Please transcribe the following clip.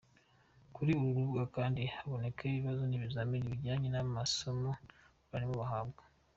Kuri uru rubuga kandi habonekaho ibibazo n’ibizamini bijyanye n’amasomo abarimu bahabwa.